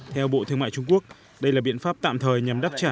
theo bộ thương mại trung quốc đây là biện pháp tạm thời nhằm đáp trả